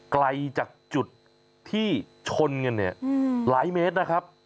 ไกลจากจุดที่ชนกันเนี่ยหลายเมตรนะครับ